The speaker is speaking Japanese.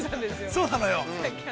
◆そうなのよ。